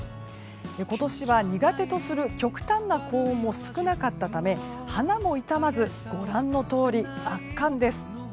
今年は苦手とする極端な高温も少なかったため、花も傷まずご覧のとおり、圧巻です。